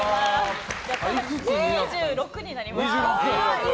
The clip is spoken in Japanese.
２６になりました。